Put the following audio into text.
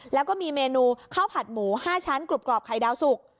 แล้วก็มีเมนูข้าวผัดหมู๕ชั้นกรุบกรอบไข่ดาวสุก